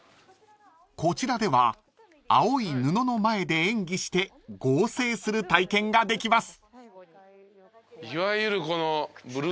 ［こちらでは青い布の前で演技して合成する体験ができます］